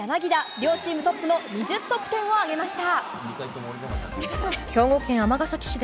両チームトップの２０得点を挙げました。